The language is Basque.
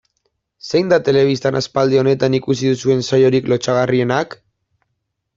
Zein da telebistan aspaldi honetan ikusi duzuen saiorik lotsagarrienak?